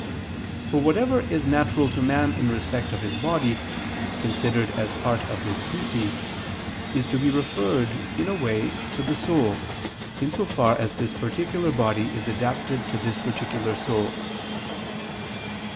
For whatever is natural to man in respect of his body, considered as part of his species, is to be referred, in a way, to the soul, in so far as this particular body is adapted to this particular soul.